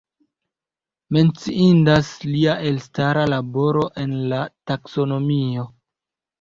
Menciindas lia elstara laboro en la taksonomio.